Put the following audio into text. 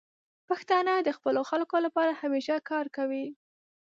پښتانه د خپلو خلکو لپاره همیشه کار کوي.